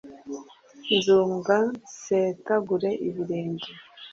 nzunga nsetagura ibirenge,